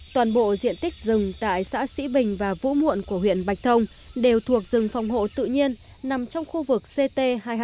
toàn bộ diện tích rừng tại xã sĩ bình và vũ muộn của huyện bạch thông đều thuộc rừng phòng hộ tự nhiên nằm trong khu vực ct hai trăm hai mươi